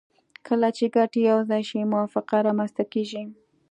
کله چې ګټې یو ځای شي موافقه رامنځته کیږي